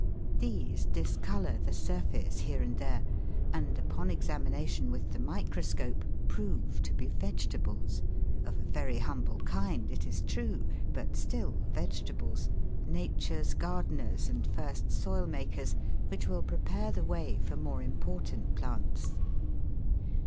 These discolour the surface here and there, and upon examination with the microscope prove to be vegetables, of a very humble kind it is true, but still vegetables, Nature's gardeners and first soil makers, which will prepare the way for more important plants.